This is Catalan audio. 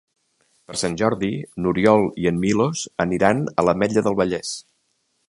Per Sant Jordi n'Oriol i en Milos aniran a l'Ametlla del Vallès.